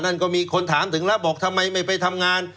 นั่นก็มีคนถามถึงแล้วบอกทำไมไม่ไปทำงาน